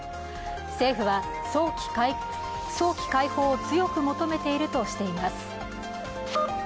政府は早期解放を強く求めているとしています。